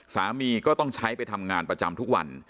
สามีก็ต้องใช้ไปทำงานประจำทุกวัน